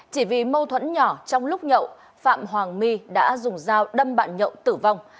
chỉ vì mâu thuẫn nhỏ trong lúc nhậu phạm hoàng my đã dùng dao đâm bạn nhậu tử vong